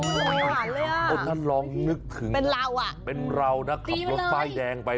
มันนึงนึกถึงเป็นเราน่ะเขากับรถคันป้ายแดงไป